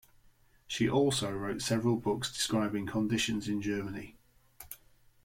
She also wrote several books describing conditions in Germany.